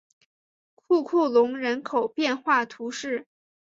库库龙人口变化图示